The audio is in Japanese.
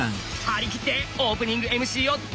張り切ってオープニングＭＣをどうぞ！